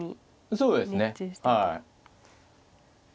そうですねはい。